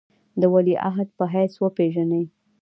د ولیعهد په حیث وپېژني.